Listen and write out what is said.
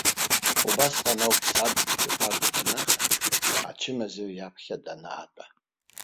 Убасҟан ауп, саб, иҟәардә днахан, ачымазаҩ иаԥхьа данаатәа.